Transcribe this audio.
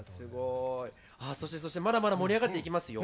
そしてそしてまだまだ盛り上がっていきますよ。